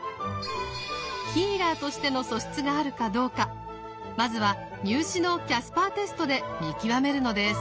ヒーラーとしての素質があるかどうかまずは入試のキャスパーテストで見極めるのです。